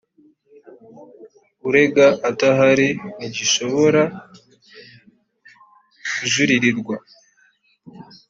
urega adahari ntigishobora kujuririrwa